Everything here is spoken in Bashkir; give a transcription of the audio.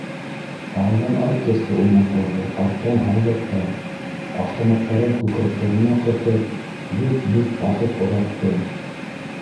Алдан оркестр уйнап барҙы, арттан һалдаттар, автоматтарын күкрәктәренә ҡыҫып, дөп-дөп баҫып оҙатты.